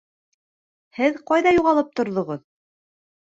Һеҙ ҡайҙа юғалып торҙоғоҙ?